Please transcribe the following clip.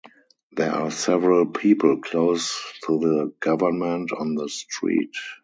There are several people close to the government on the street.